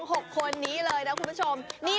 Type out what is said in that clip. เชื่อสายรับแผนนี้